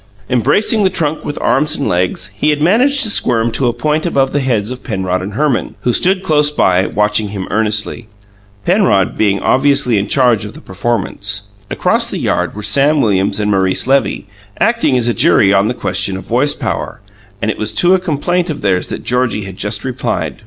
Embracing the trunk with arms and legs, he had managed to squirm to a point above the heads of Penrod and Herman, who stood close by, watching him earnestly Penrod being obviously in charge of the performance. Across the yard were Sam Williams and Maurice Levy, acting as a jury on the question of voice power, and it was to a complaint of theirs that Georgie had just replied.